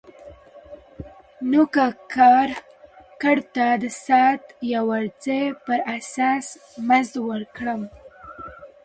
نو که کارګر ته د ساعت یا ورځې پر اساس مزد ورکړم